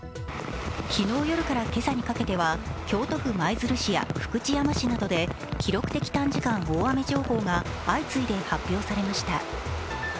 昨日夜から今朝にかけては京都府舞鶴市や福山市で記録的短時間大雨情報が相次いで発表されました。